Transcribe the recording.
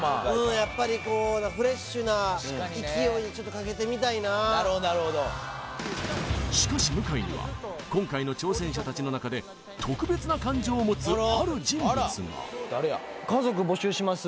やっぱりこうフレッシュな勢いにちょっとかけてみたいななるほどなるほどしかし向井には今回の挑戦者たちの中で特別な感情を持つある人物が「＃家族募集します」